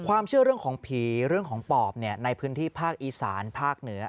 ความเชื่อเรื่องของผีเรื่องของปอบในพื้นที่ภาคอีสานภาคเหนือ